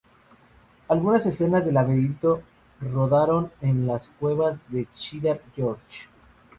Algunas escenas del laberinto se rodaron en las cuevas de Cheddar Gorge.